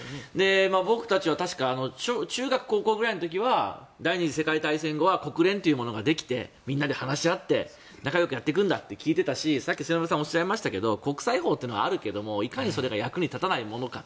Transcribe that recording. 僕たちは確か中学、高校ぐらいの時は第２次世界大戦後は国連というものができてみんなで話し合って仲よくやっていくんだって聞いていたし、さっき末延さんがおっしゃいましたが国際法はあるけどいかにそれが役に立たないものかと。